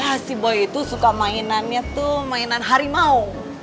ah si boy itu suka mainannya tuh mainan harimau